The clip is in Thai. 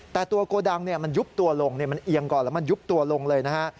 แต่ตัวโกดังมันยุบตัวลงมันเอียงก่อนแล้วมันยุบตัวลงเลยนะฮะ